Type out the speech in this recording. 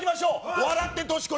笑って年越し！